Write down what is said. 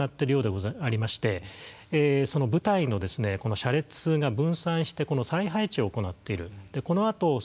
これも行っているようでありましてその部隊の車列が分散して再配置を行っている。